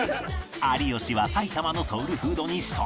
有吉は埼玉のソウルフードに舌鼓